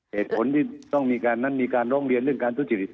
เหตุผลที่ต้องมีการนั้นมีการร้องเรียนเรื่องการทุจริต